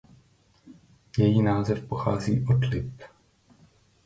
Její název pochází od lip.